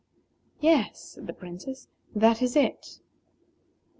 "Yes," said the Princess; "that is it."